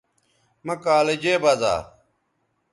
مہ کالجے بزا